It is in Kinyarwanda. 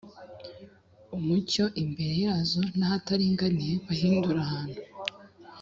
Umucyo f imbere yazo n ahataringaniye mpahindure ahantu